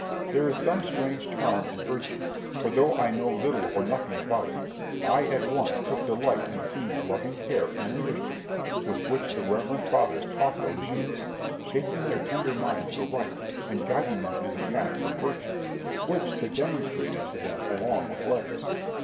There is some strange charm in virtue; for though I know little or nothing about it, I at once took delight in seeing the loving care and industry with which the reverend fathers taught those youths, shaping their tender minds aright, and guiding them in the path of virtue, which they demonstrated to them along with letters.